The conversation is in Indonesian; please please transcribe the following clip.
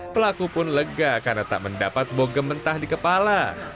pelaku pun lega karena tak mendapat bogem mentah di kepala